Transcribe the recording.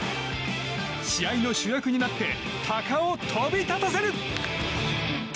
試合の主役になって鷹を飛び立たせる！